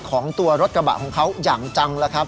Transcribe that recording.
ของตัวรถกระบะของเขาอย่างจัง